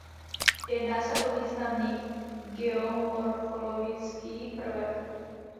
Jedná se o významný geomorfologický prvek.